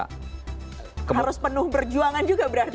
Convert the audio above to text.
harus penuh berjuangan juga berarti